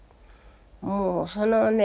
もうそのね